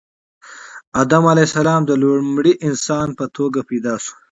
آدم علیه السلام د لومړي انسان په توګه پیدا شو